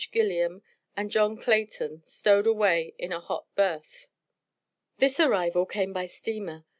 GILLIAM, AND JOHN CLAYTON. STOWED AWAY IN A HOT BERTH. This arrival came by Steamer.